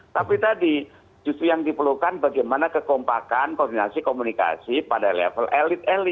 tapi tadi justru yang diperlukan bagaimana kekompakan koordinasi komunikasi pada level elit elit